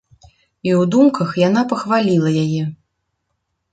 І ў думках яна пахваліла яе.